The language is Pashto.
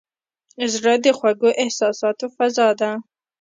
زړه د خوږو احساساتو فضا ده.